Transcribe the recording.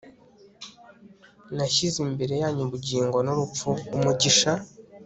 nashyize imbere yanyu ubugingo n'urupfu, umugisha